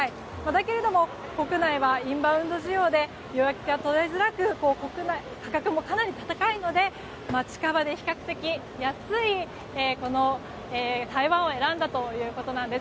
だけれども、国内はインバウンド需要で予約が取りづらく価格もかなり高いので近場で、比較的安いこの台湾を選んだということです。